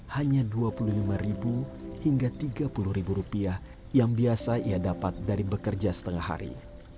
hanya dua puluh lima hingga rp tiga puluh yang biasa ia dapat dari bekerja setengah hari